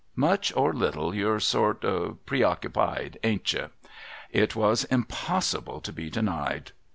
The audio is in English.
' Much or hitlc, you're sort preoccupied; ain't you?' It was impossible to be denied.